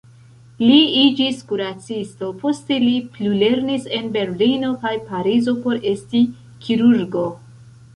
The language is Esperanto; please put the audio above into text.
Li iĝis kuracisto, poste li plulernis en Berlino kaj Parizo por esti kirurgo.